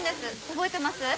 覚えてます？